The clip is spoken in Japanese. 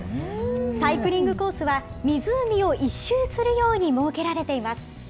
サイクリングコースは、湖を１周するように設けられています。